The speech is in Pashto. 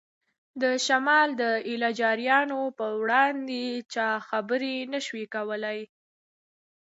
د شمال د ایله جاریانو په وړاندې چا خبرې نه شوای کولای.